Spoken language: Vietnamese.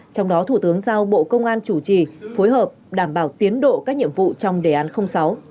trong đó thủ tướng giao bộ công an chủ trì phối hợp đảm bảo tiến độ các nhiệm vụ trong đề án sáu